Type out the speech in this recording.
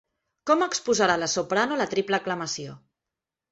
Com exposarà la soprano la triple aclamació?